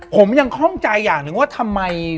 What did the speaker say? ผมยังคล่องใจอย่างหนึ่งว่าทำไม